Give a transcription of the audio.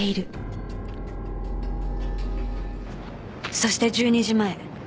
そして１２時前。